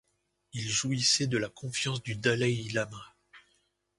Il jouissait de la confiance du dalaï-lama.